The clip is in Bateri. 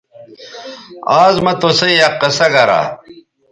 آز مہ تُسئ یک قصہ گرا